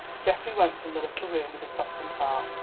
Geoffrey went from the little room with a softened heart.